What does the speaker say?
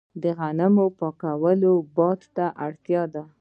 د غنمو پاکول باد ته اړتیا لري.